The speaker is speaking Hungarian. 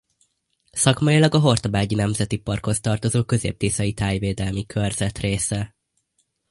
Szakmailag a Hortobágyi Nemzeti Parkhoz tartozó Közép-tiszai Tájvédelmi Körzet része.